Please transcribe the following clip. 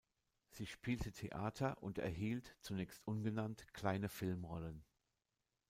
Sie spielte Theater und erhielt, zunächst ungenannt, kleine Filmrollen.